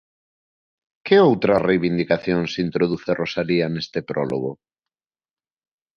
Que outras reivindicacións introduce Rosalía neste prólogo?